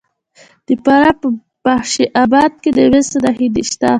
د فراه په بخش اباد کې د مسو نښې شته.